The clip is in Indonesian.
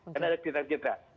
karena ada kriteria kriteria